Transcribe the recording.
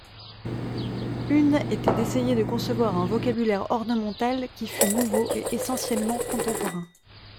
Une était d'essayer de concevoir un vocabulaire ornemental qui fût nouveau et essentiellement contemporain.